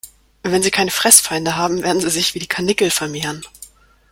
Wenn sie keine Fressfeinde haben, werden sie sich wie die Karnickel vermehren.